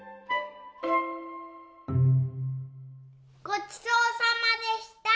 ごちそうさまでした。